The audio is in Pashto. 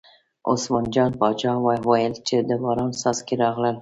عثمان جان باچا وویل چې د باران څاڅکي راغلل.